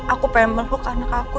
aku pengen meluk anak aku